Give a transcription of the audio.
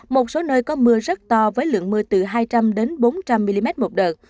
một số nơi có mưa rất to với lượng mưa từ hai trăm linh bốn trăm linh mm một đợt